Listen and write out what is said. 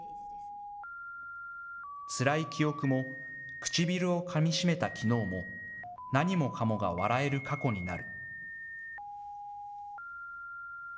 つらい記憶も唇をかみしめたきのうも、何もかもが笑える過去になる。